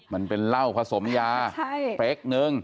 มันเป็นเหล้าผสมยาเปรกนึง